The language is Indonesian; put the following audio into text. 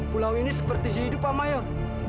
pulau ini seperti hidup pak mayor